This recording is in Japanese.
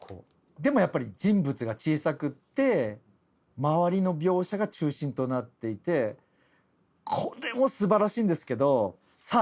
でもやっぱり人物が小さくて周りの描写が中心となっていてこれもすばらしいんですけどさあ